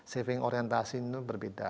saving orientasi itu berbeda